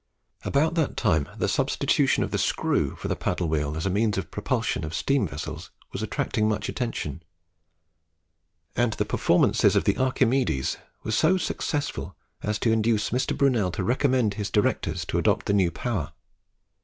About that time, the substitution of the Screw for the Paddle wheel as a means of propulsion of steam vessels was attracting much attention; and the performances of the "Archimedes" were so successful as to induce Mr. Brunel to recommend his Directors to adopt the new power.